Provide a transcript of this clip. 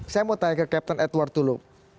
saya mau tanya ke captain edward dulu